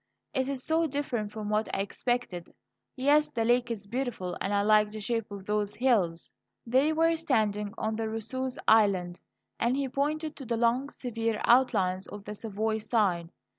It's so different from what I expected. Yes, the lake is beautiful, and I like the shape of those hills." They were standing on Rousseau's Island, and he pointed to the long, severe outlines of the Savoy side.